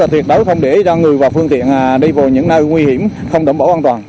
tuyệt đối không để cho người và phương tiện đi vào những nơi nguy hiểm không đảm bảo an toàn